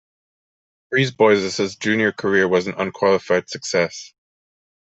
Brisebois's junior career was an unqualified success.